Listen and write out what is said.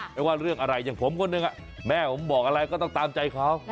ไม่ว่าเรื่องอะไรอย่างผมคนหนึ่งแม่ผมบอกอะไรก็ต้องตามใจเขา